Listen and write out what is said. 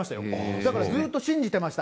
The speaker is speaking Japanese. だからずっと信じてました。